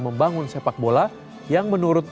membangun sepak bola yang menurut